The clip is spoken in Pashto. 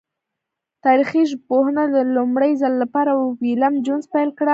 تاریخي ژبپوهنه د لومړی ځل له پاره ویلم جونز پیل کړه.